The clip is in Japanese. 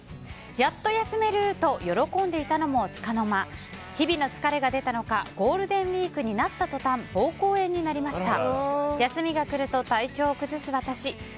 やっと休めると喜んでいたのもつかの間日々の疲れが出たのかゴールデンウィークになった途端膀胱炎になりました。